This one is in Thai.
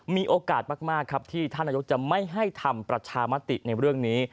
มีโอกาสมากครับที่ท่านนายกจะไม่ให้ทำประชามติในเรื่องนี้